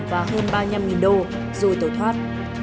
và hơn ba năm nghìn đô rồi tẩu thoát